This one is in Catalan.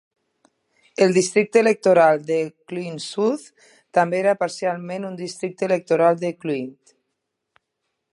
El districte electoral de Clwyd South també era parcialment un districte electoral de Clwyd.